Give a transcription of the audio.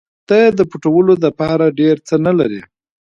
ته د پټولو دپاره ډېر څه نه لرې.